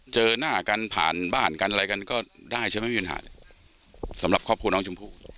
เจอหน้ากันผ่านบ้านกันอะไรกันก็ได้ใช่ไหมมีปัญหาเนี่ยสำหรับครอบครัวน้องชมพู่